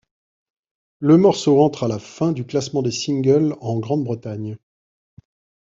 Le morceau entre à la du classement des singles en Grande-Bretagne.